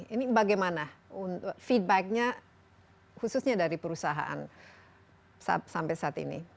ini bagaimana feedbacknya khususnya dari perusahaan sampai saat ini